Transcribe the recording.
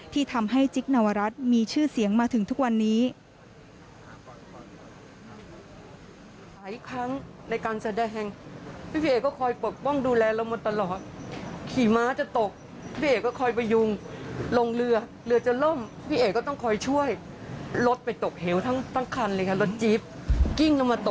ที่ทำให้จิ๊กนวรัฐมีชื่อเสียงมาถึงทุกวันนี้